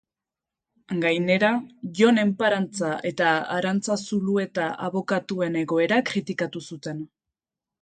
Gainera, Jon Enparantza eta Arantza Zulueta abokatuen egoera kritikatu zuten.